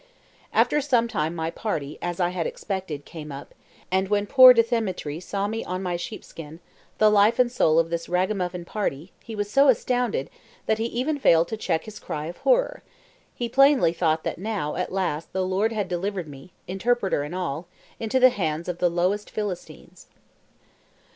After some time my party, as I had expected, came up, and when poor Dthemetri saw me on my sheepskin, "the life and soul" of this ragamuffin party, he was so astounded, that he even failed to check his cry of horror; he plainly thought that now, at last, the Lord had delivered me (interpreter and all) into the hands of the lowest Philistines.